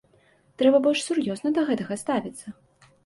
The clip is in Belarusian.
Трэба больш сур'ёзна да гэтага ставіцца.